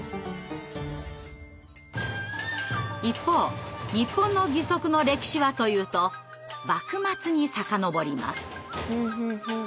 一方日本の義足の歴史はというと幕末に遡ります。